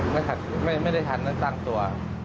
ไม่ครับไม่ได้ถัดตั้งตัว